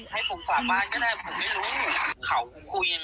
ผมก็ว่าจะไปเอง